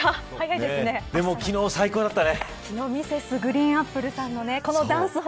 でも昨日、最高だったね。